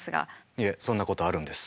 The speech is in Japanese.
いえそんなことあるんです。